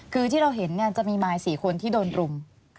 คือที่เราเห็นจะมีมาย๔คนที่โดนรุม